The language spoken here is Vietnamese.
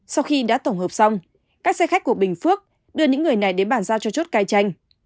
sau khi đã tổng hợp xong các xe khách của bình phước đưa những người này đến bàn giao cho chốt cai tranh